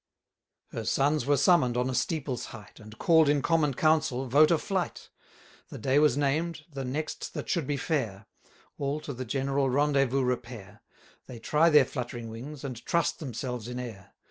Her sons were summon'd on a steeple's height, And, call'd in common council, vote a flight; The day was named, the next that should be fair: All to the general rendezvous repair, They try their fluttering wings, and trust themselves in air.